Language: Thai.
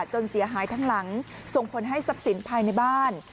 จนเสียหายทั้งหลังส่งผลให้ทรัพย์สินภายในบ้าน